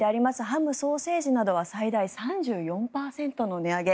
ハム、ソーセージなどは最大３４％の値上げ。